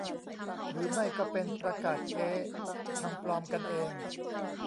หรือไม่ก็เป็น "ประกาศเก๊" ทำปลอมกันเอง